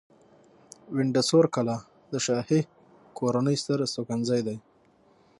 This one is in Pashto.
وینډسور کلا د شاهي کورنۍ ستر استوګنځی دی.